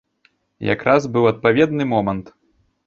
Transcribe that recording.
Якраз быў адпаведны момант.